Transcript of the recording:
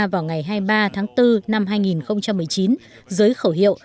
vào ngày hai mươi ba tháng bốn năm hai nghìn một mươi chín giới khẩu hiệu